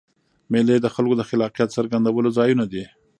مېلې د خلکو د خلاقیت څرګندولو ځایونه دي.